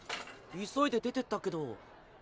急いで出てったけど。